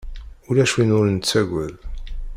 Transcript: Ulac win ur nettaggad